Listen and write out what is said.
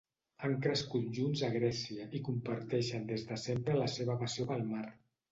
Han crescut junts a Grècia i comparteixen des de sempre la seva passió pel mar.